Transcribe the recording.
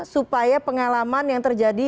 supaya pengalaman yang terjadi